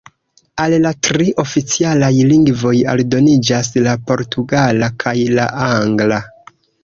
Al la tri oficialaj lingvoj aldoniĝas la portugala kaj la angla.